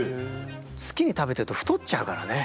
好きに食べてると太っちゃうからね。